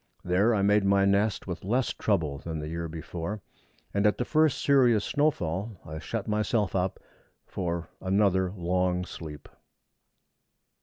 There I made my nest with less trouble than the year before, and at the first serious snowfall I shut myself up for another long sleep.